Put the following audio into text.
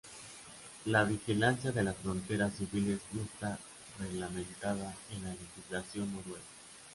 La vigilancia de las fronteras civiles no está reglamentada en la legislación noruega.